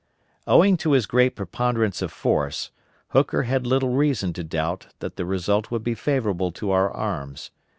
Owing to his great preponderance of force, Hooker had little reason to doubt that the result would be favorable to our arms.